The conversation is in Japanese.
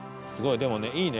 でもねいいね